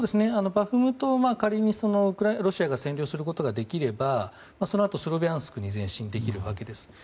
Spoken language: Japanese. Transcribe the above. バフムトを仮にロシアが占領することができればそのあと、スロビャンスクに前進できるわけです。